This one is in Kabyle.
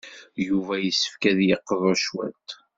Yuba yessefk ad d-yeqḍu cwiṭ.